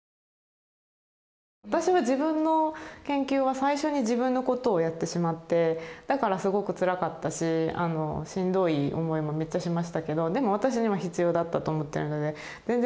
私は自分の研究は最初に自分のことをやってしまってだからすごくつらかったししんどい思いもめっちゃしましたけどでも私には必要だったと思ってるので全然後悔はしてないですけど。